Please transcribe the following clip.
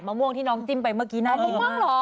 มะม่วงที่น้องจิ้มไปเมื่อกี้น่าดีมาก